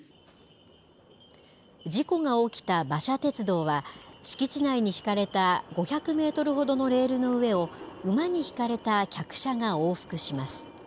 事故が起きた馬車鉄道は、敷地内に敷かれた５００メートルほどのレールの上を、馬に引かれた客車が往復します。